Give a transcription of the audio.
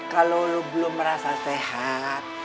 kalo lu belum merasa sehat